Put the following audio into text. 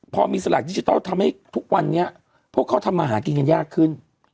พอมีสลากดิจิทัลทำให้ทุกวันนี้พวกเขาทำมาหากินกันยากขึ้น